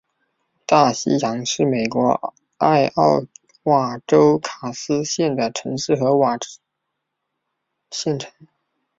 大西洋是美国艾奥瓦州卡斯县的城市和县城。